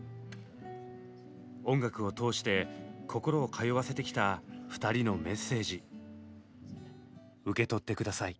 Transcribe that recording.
音楽を通して心を通わせてきた２人のメッセージ受け取って下さい。